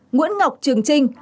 hai nguyễn ngọc trường trinh